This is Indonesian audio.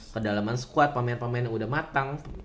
kedalaman squad pemain pemain yang udah matang